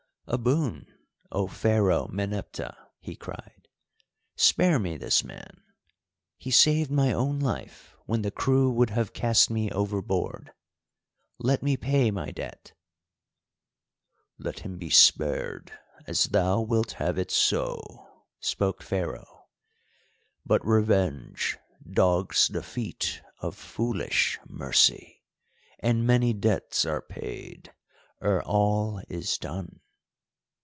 "A boon, O Pharaoh Meneptah," he cried. "Spare me this man! He saved my own life when the crew would have cast me overboard. Let me pay my debt." "Let him be spared, as thou wilt have it so," spoke Pharaoh, "but revenge dogs the feet of foolish mercy, and many debts are paid ere all is done."